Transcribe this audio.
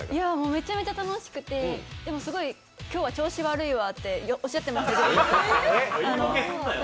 めちゃめちゃ楽しくて、でも、すごい今日は調子悪いわっておっしゃってました。